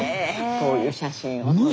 こういう写真を撮って。